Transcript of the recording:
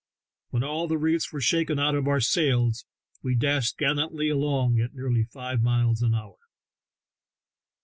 When all the reefs were shaken out of our sails we dashed gallantly along at nearly five miles an hour.